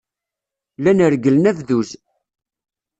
Llan regglen abduz.